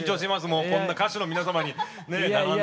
もうこんな歌手の皆様にねえ並んで。